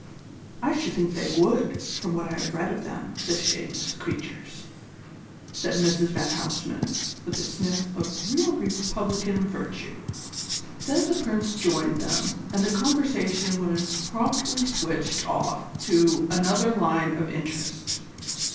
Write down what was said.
"I should think they would, from what I have read of them, the shameless creatures!" said Mrs van Huysman, with a sniff of real republican virtue. Then the Prince joined them, and the conversation was promptly switched off on to another line of interest.